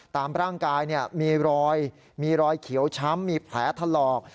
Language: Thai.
ตามร่างกายมีรอยมีรอยเขียวช้ำมีแผลถลอก